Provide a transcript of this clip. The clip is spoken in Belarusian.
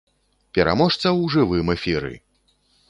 Пераможца ў жывым эфіры!